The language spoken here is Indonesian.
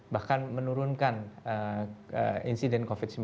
bahkan menurunkan insiden covid sembilan belas